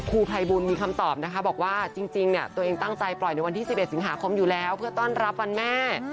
ครูภัยบุญมีคำตอบนะคะบอกว่าจริงเนี่ยตัวเองตั้งใจปล่อยในวันที่๑๑สิงหาคมอยู่แล้วเพื่อต้อนรับวันแม่